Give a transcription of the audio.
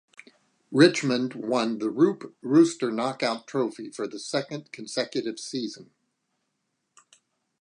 Richmond won the Roope Rooster knockout trophy for the second consecutive season.